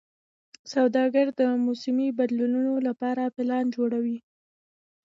سوداګر د موسمي بدلونونو لپاره پلان جوړوي.